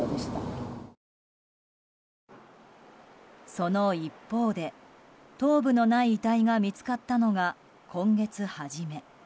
その一方で、頭部のない遺体が見つかったのが今月初め。